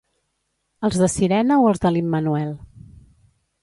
Els de sirena o els de l'Immanuel.